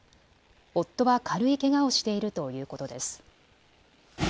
夫は軽いけがをしているということです。